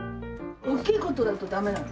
大きい事だとダメなの。